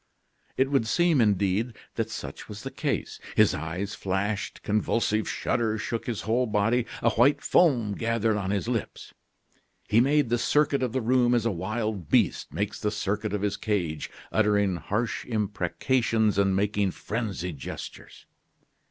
It would seem, indeed, that such was the case. His eyes flashed, convulsive shudders shook his whole body, a white foam gathered on his lips. He made the circuit of the room as a wild beast makes the circuit of his cage, uttering harsh imprecations and making frenzied gestures.